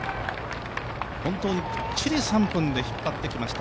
本当にきっちり３分で引っ張ってきました。